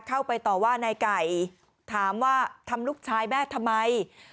เข้าไปต่อว่านายไก่ถามว่าทำลูกชายแม่ทำไม